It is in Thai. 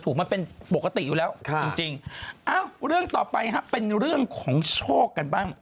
เต่ามะกอกมันมันฝาดอมเปรี้ยว